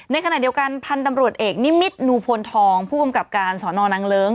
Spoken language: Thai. ในขณะเดียวกันพันธุ์ตำรวจเอกนิมิตนูพลทองผู้กำกับการสอนอนางเลิ้ง